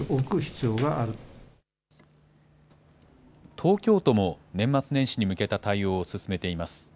東京都も年末年始に向けた対応を進めています。